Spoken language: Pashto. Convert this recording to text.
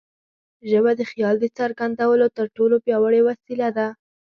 ژبه د خیال د څرګندولو تر ټولو پیاوړې وسیله ده.